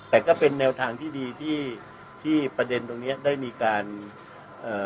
แต่ก็เป็นแนวทางที่ดีที่ที่ประเด็นตรงเนี้ยได้มีการเอ่อ